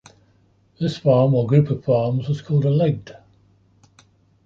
This farm or group of farms was called a "legd".